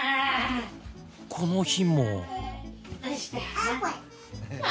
この日も。